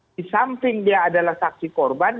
di samping dia adalah saksi korban